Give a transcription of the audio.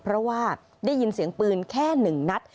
เพราะว่าได้ยินเสียงปืนแค่๑นัด